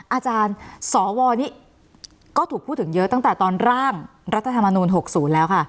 อาจารย์สวนี้ก็ถูกพูดถึงเยอะตั้งแต่ตอนร่างรัฐธรรมนูล๖๐แล้วค่ะ